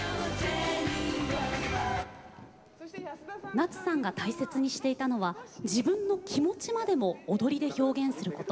夏さんが大切にしていたのは自分の気持ちまでも踊りで表現すること。